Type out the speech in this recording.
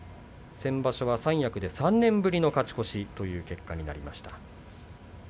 先場所は三役で３年ぶりの勝ち越しという結果になっています。